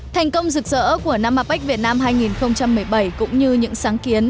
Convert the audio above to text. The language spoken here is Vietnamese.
thành công rực rỡ của năm apec việt nam hai nghìn một mươi bảy cũng như những sáng kiến